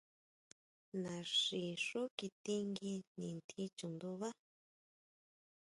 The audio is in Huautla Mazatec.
Naxí xú kitingui nitjín chundubá.